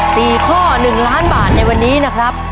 สี่ข้อหนึ่งล้านบาทในวันนี้นะครับ